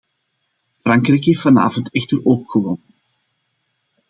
Frankrijk heeft vanavond echter ook gewonnen...